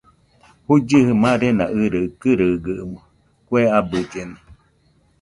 Juigɨjɨ marena ɨraɨ kɨrɨgaɨmo, kue abɨllena